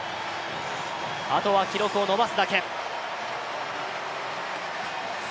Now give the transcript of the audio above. あとは記録を伸ばすだけ。